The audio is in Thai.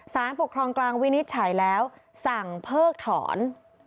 สารปกครองกลางวินิจฉัยแล้วสั่งเพิกถอน